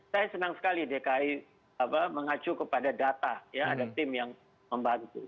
saya senang sekali dki mengacu kepada data ya ada tim yang membantu